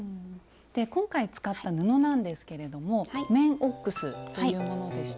今回使った布なんですけれども綿オックスというものでした。